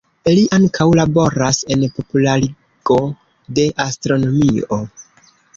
Li ankaŭ laboras en popularigo de astronomio.